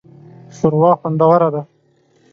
شوروا خوندوره ده